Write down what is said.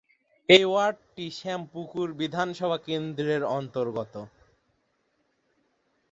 এই ওয়ার্ডটি শ্যামপুকুর বিধানসভা কেন্দ্রের অন্তর্গত।